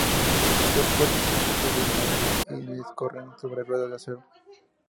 Los coches están hechos de madera y discurren sobre ruedas de acero.